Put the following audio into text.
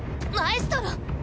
マエストロ？